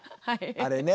あれね。